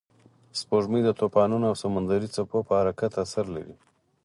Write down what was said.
سپوږمۍ د طوفانونو او سمندري څپو پر حرکت اثر لري